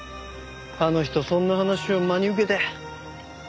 あの人そんな話を真に受けて。